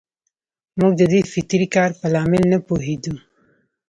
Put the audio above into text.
موږ د دې فطري کار په لامل نه پوهېدو.